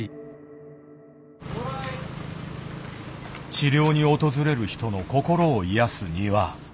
治療に訪れる人の心を癒やす庭。